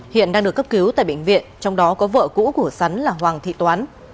hiện đang được cấp cứu tại bệnh viện trong đó có vợ cũ của sắn là hoàng thị toán